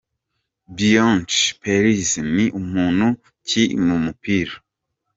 Bianchi Pelliser ni muntu ki mu mupira ?.